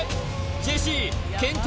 ジェシー健闘